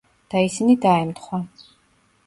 და ისინი დაემთხვა.